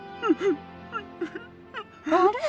あれ？